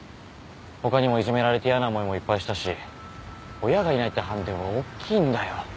他にもいじめられて嫌な思いもいっぱいしたし親がいないってハンデはおっきいんだよ